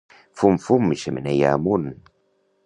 Fum, fum, xemeneia amunt.